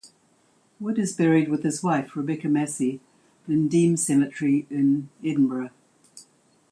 Wood is buried with his wife, Rebecca Massey, in Dean Cemetery in Edinburgh.